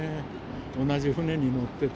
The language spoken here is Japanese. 同じ船に乗ってて、